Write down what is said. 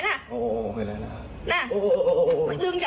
โอ้โหโอเค